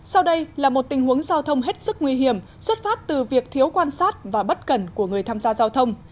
sau đây là một tình huống giao thông hết sức nguy hiểm xuất phát từ việc thiếu quan sát và bất cẩn của người tham gia giao thông